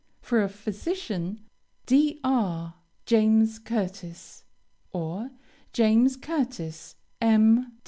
For a physician: DR. JAMES CURTIS. or, JAMES CURTIS, M.